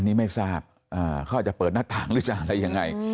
เขาอาจจะเปิดหน้าตางหรือจะอะไรยังไง